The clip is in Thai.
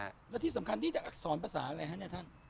แล้วที่สำคัญที่จะอักษรประสาทีอะไรนะท่าน